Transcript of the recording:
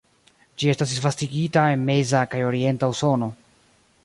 Ĝi estas disvastigita en meza kaj orienta Usono.